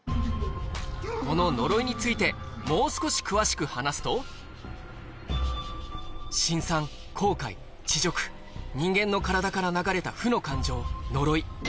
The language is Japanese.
この呪いについてもう少し詳しく話すと辛酸後悔恥辱人間の体から流れた負の感情呪い